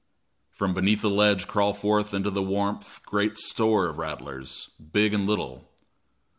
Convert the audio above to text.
From beneath the ledge crawl forth into the warmth great store of rattlers, big and little.